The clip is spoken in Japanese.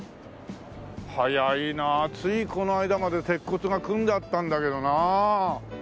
早いなあついこの間まで鉄骨が組んであったんだけどなあ。